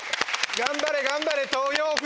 頑張れ頑張れ豊福！